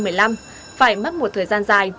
phải mất một thời gian dài